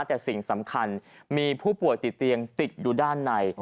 แต่สิ่งสำคัญมีผู้ป่วยติดเตียงติดอยู่ด้านใน